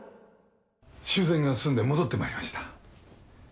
修繕が済んで戻ってまいりました